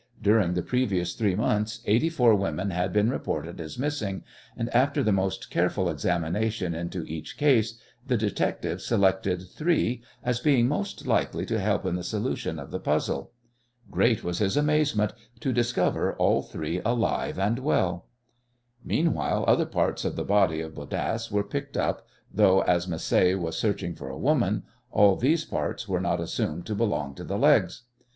During the previous three months eighty four women had been reported as missing, and after the most careful examination into each case the detective selected three as being most likely to help in the solution of the puzzle. Great was his amazement to discover all three alive and well! Meanwhile other parts of the body of Bodasse were picked up, though, as Macé was searching for a woman, all these parts were not assumed to belong to the legs.